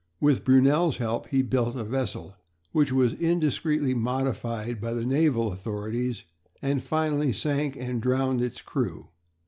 With Brunel's help he built a vessel which was indiscreetly modified by the naval authorities, and finally sank and drowned its crew.